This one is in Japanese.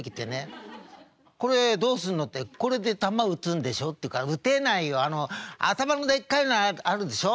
「これで球打つんでしょ？」って言うから「打てないよ。頭のでっかいのあるでしょ？